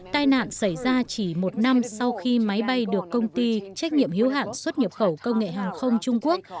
tai nạn xảy ra chỉ một năm sau khi máy bay được công ty trách nhiệm hiếu hạn xuất nhập khẩu công nghệ hàng không trung quốc